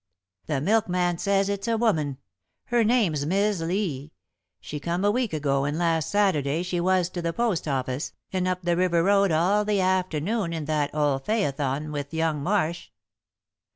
"The milkman says it's a woman. Her name's Mis' Lee. She come a week ago and last Saturday she was to the post office, and up the river road all the afternoon in that old phaeton with young Marsh."